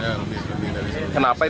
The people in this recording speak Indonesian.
ya lebih dari seratus persen